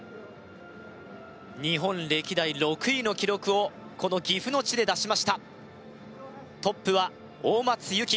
日本歴代６位の記録をこの岐阜の地で出しましたトップは大松由季